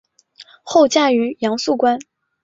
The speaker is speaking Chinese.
后嫁于杨肃观。